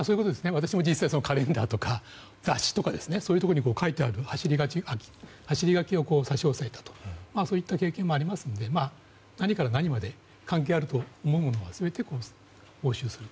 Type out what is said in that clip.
私も実際にカレンダーとか雑誌そういうところに書いてある走り書きを差し押さえたそういった経験もありますので何から何まで関係あると思うものは全て押収する。